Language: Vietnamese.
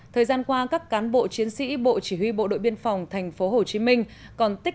thời gian qua các cán bộ chiến sĩ bộ chỉ huy bộ đội biên phòng thành phố hồ chí minh còn tích